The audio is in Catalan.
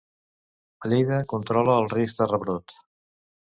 Lleida controla el risc de rebrot.